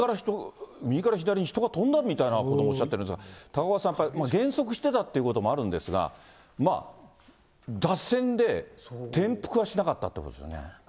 右から左に人が飛んだみたいなこともおっしゃってるんですが、高岡さん、やっぱり減速してたっていうこともあるんですが、脱線で転覆はしなかったということですよね。